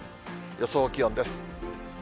予想気温です。